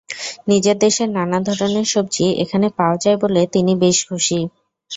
নিজের দেশের নানা ধরনের সবজি এখানে পাওয়া যায় বলে তিনি বেশ খুশি।